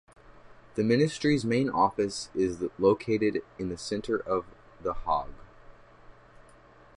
The ministry's main office is located in the centre of The Hague.